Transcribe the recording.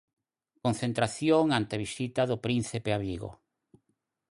Concentración ante a visita do Príncipe a Vigo.